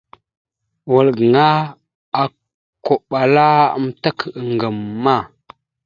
Wal gaŋa okombaláamətak ŋgam a.